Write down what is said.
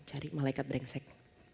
cari malaikat brengsek